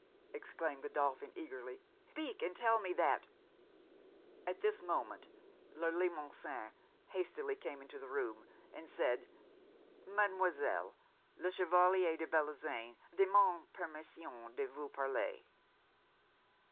exclaimed Godolphin eagerly 'speak, and tell me that ' At this moment Le Limosin hastily came into the room, and said '_Mademoiselle, le Chevalier de Bellozane demande permission de vous parler.